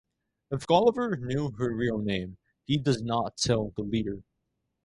If Gulliver knows her real name, he does not tell the reader.